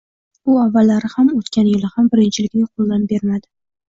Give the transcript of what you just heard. U avvallari ham, o‘tgan yil ham birinchilikni qo‘ldan bermadi.